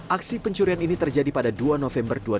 aksi pencurian ini terjadi karena pria ini tidak mencari uang